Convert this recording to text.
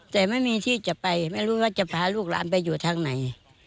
แต่ไม่มีที่จะไปไม่รู้ว่าจะพาลูกหลานไปอยู่ทางไหน